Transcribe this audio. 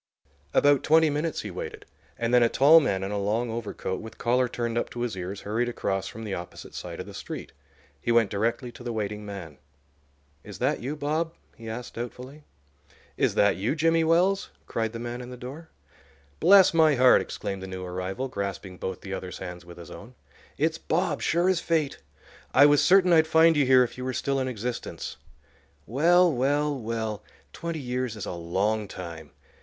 About twenty minutes he waited, and then a tall man in a long overcoat, with collar turned up to his ears, hurried across from the opposite side of the street. He went directly to the waiting man. "Is that you, Bob?" he asked, doubtfully. "Is that you, Jimmy Wells?" cried the man in the door. "Bless my heart!" exclaimed the new arrival, grasping both the other's hands with his own. "It's Bob, sure as fate. I was certain I'd find you here if you were still in existence. Well, well, well!—twenty years is a long time.